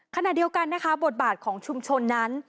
ขณะเดียวกันนะคะบทบาทของชุมชนนั้น